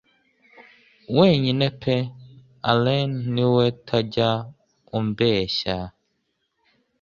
Wenyine pe Allayne niwe utajya umbeshya